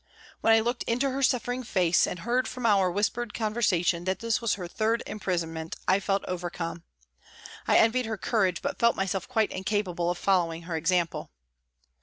When I looked into her suffering face and heard from our whispered con versation that this was her third imprisonment I felt overcome. I envied her courage, but felt myself quite incapable of following her example.